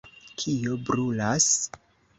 kio brulas?